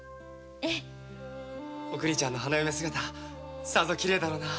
お邦ちゃんの花嫁姿さぞきれいだろうな。